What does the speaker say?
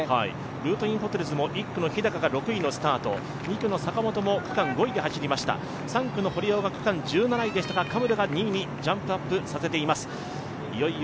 ルートインホテルズも１区の日高が６位のスタート、２区の坂本も区間５位で走りました、３区の堀尾が区間１６位でしたが、カムルが２位にジャンプアップさせています